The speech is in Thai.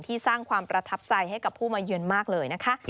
สร้างความประทับใจให้กับผู้มาเยือนมากเลยนะคะ